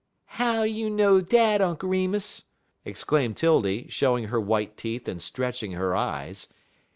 "How you know dat, Unk Remus?" exclaimed 'Tildy, showing her white teeth and stretching her eyes.